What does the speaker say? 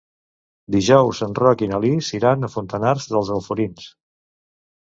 Dijous en Roc i na Lis iran a Fontanars dels Alforins.